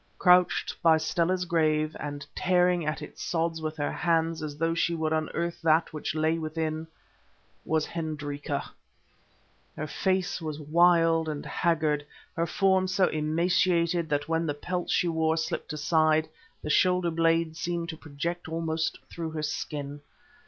Crouched by Stella's grave, and tearing at its sods with her hands, as though she would unearth that which lay within, was Hendrika. Her face was wild and haggard, her form was so emaciated that when the pelts she wore slipped aside, the shoulder blades seemed to project almost through her skin.